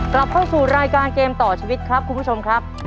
กลับเข้าสู่รายการเกมต่อชีวิตครับคุณผู้ชมครับ